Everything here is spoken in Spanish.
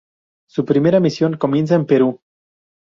Su primera misión comienza en Perú.